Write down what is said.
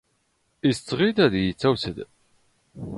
ⵉⵙ ⵜⵖⵉⵢⵜ ⴰⴷ ⵉⵢⵉ ⵜⵡⴰⵙⴷ?